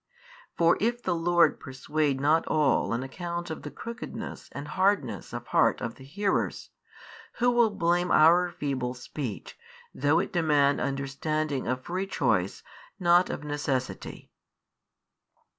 For if the Lord persuade not all on account of the crookedness and hardness of heart of the hearers, who will blame our feeble speech, though it demand understanding of free choice not of necessity?